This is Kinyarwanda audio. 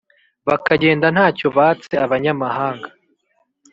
Bakagenda nta cyo batse abanyamahanga